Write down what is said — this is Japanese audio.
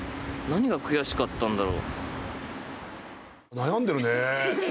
悩んでるね。